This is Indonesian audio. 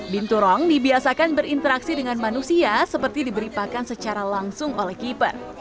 binturong dibiasakan berinteraksi dengan manusia seperti diberi pakan secara langsung oleh keeper